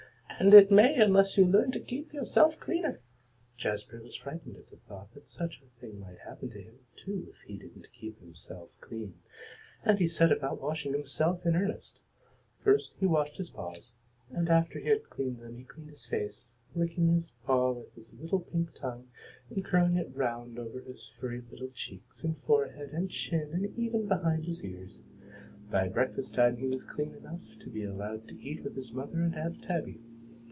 And it may unless you learn to keep yourself cleaner." Jazbury was frightened at the thought that such a thing might happen to him, too, if he didn't keep himself clean, and he set about washing himself in earnest. First he washed his paws, and after he had cleaned them he cleaned his face, licking his paw with his little pink tongue, and curling it round over his furry little cheeks and forehead and chin and even behind his ears. By breakfast time he was clean enough to be allowed to eat with his mother and Aunt Tabby.